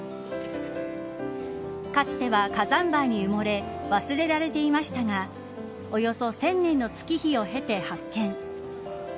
かつては、火山灰に埋もれ忘れられていましたがおよそ１０００年の月日を経て発見。